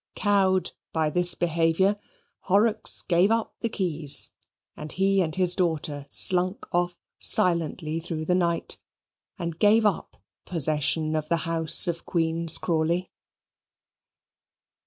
Cowed by this behaviour, Horrocks gave up the keys, and he and his daughter slunk off silently through the night and gave up possession of the house of Queen's Crawley.